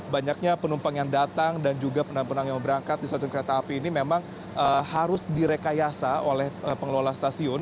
banyaknya penumpang yang datang dan juga penumpang yang berangkat di stasiun kereta api ini memang harus direkayasa oleh pengelola stasiun